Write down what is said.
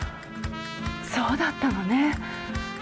そうだったのね。